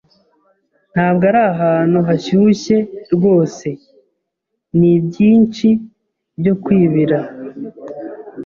Ntabwo ari ahantu hashyushye rwose, nibyinshi byo kwibira.